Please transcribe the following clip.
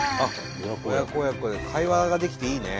親子親子で会話ができていいね。